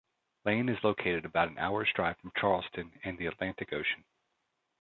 Lane is located about an hour's drive from Charleston and the Atlantic Ocean.